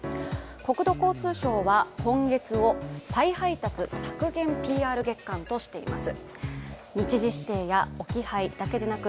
国土交通省は今月を再配達削減ＰＲ月間としています。